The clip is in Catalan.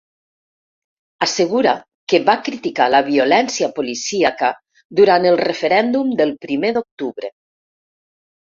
Assegura que va criticar la violència policíaca durant el referèndum del primer d’octubre.